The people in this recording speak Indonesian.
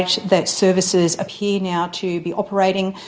bahwa perusahaan tersebut menunjukkan untuk beroperasi